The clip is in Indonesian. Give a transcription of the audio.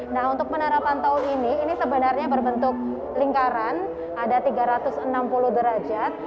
nah untuk menara pantau ini ini sebenarnya berbentuk lingkaran ada tiga ratus enam puluh derajat